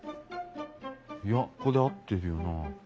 いやここで合ってるよな。